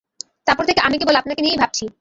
তারপর থেকে আমি কেবল আপনাকে নিয়েই ভাবছি।